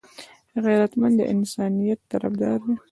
غیرتمند د انسانيت طرفدار وي